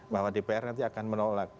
bahwa dpr nanti akan menolak